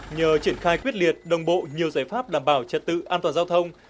nhờ triển khai quyết liệt đồng bộ nhiều giải pháp đảm bảo trật tự an toàn giao thông